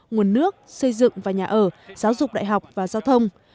nguồn nước xây dựng và nhà ở giáo dục đại học và giao thông